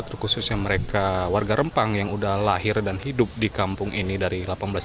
terkhususnya mereka warga rempang yang udah lahir dan hidup di kampung ini dari seribu delapan ratus dua puluh